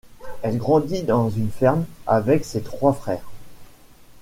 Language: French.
Elle grandit dans une ferme avec ses trois frères.